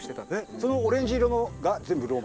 そのオレンジ色のが全部ローマ？